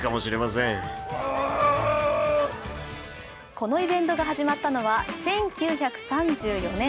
このイベントが始まったのは１９３４年。